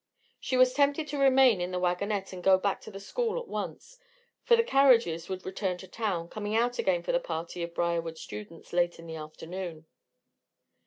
She was tempted to remain in the wagonette and go back to the school at once for the carriages would return to town, coming out again for the party of Briarwood students late in the afternoon.